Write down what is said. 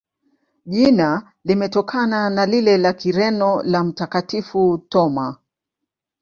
Jina limetokana na lile la Kireno la Mtakatifu Thoma.